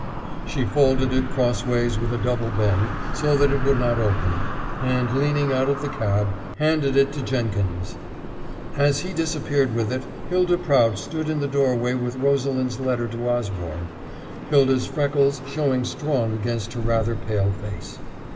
She folded it crossways with a double bend so that it would not open, and leaning out of the cab, handed it to Jenkins. As he disappeared with it, Hylda Prout stood in the doorway with Rosalind's letter to Osborne Hylda's freckles showing strong against her rather pale face.